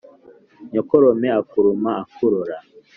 Nyokorome akuruma akurora.